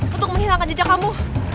kita akan mencari jajah kamu